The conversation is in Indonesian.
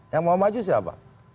yang mau maju siapa